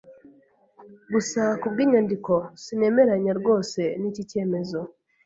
Gusa kubwinyandiko, sinemeranya rwose niki cyemezo.